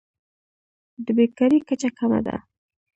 د بیکارۍ کچه کمه ده.